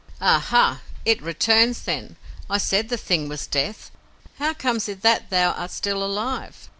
"Ah ha! It returns, then. I said the thing was Death. How comes it that thou art still alive?"